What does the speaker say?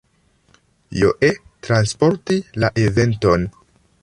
Joe transporti la eventon.